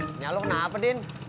punya lo kena apa din